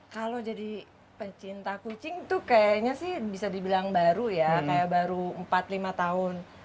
kalau jadi pecinta kucing tuh kayaknya sih bisa dibilang baru ya kayak baru empat lima tahun